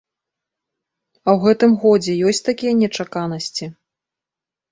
А ў гэтым годзе ёсць такія нечаканасці?